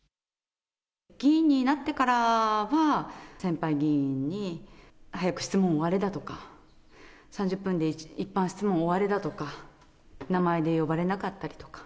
議員になってからは、先輩議員に、早く質問終われだとか、３０分で一般質問終われだとか、名前で呼ばれなかったりとか。